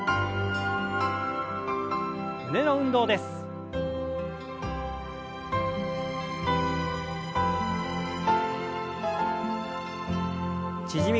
胸の運動です。